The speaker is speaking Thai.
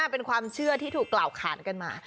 เป็นความเชื่อที่ถูกกล่าวขานกันมา